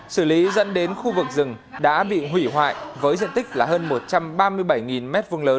xử lý dẫn đến khu vực rừng đã bị hủy hoại với diện tích là hơn một trăm ba mươi bảy m hai lớn